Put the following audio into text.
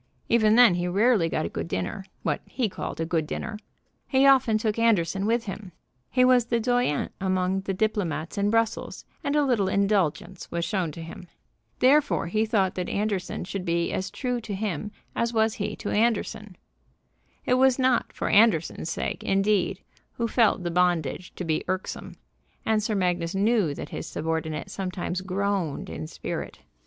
Even then he rarely got a good dinner what he called a good dinner. He often took Anderson with him. He was the doyen among the diplomats in Brussels, and a little indulgence was shown to him. Therefore he thought that Anderson should be as true to him as was he to Anderson. It was not for Anderson's sake, indeed, who felt the bondage to be irksome; and Sir Magnus knew that his subordinate sometimes groaned in spirit.